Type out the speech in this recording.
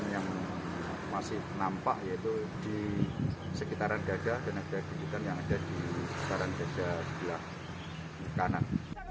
yang masih nampak yaitu di sekitaran dada dan ada gigitan yang ada di sekitaran dada sebelah kanan